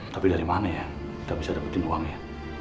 tapi dari mana ya kita bisa dapetin uangnya